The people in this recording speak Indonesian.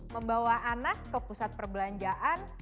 membawa anak ke pusat perbelanjaan